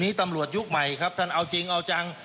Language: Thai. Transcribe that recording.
ตำรวจยุคใหม่ครับท่านเอาจริงเอาจัง